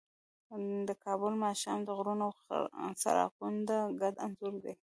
د کابل ماښام د غرونو او څراغونو ګډ انځور دی.